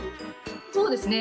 そうですね。